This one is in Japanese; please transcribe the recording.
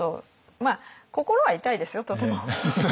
まあ心は痛いですよとても。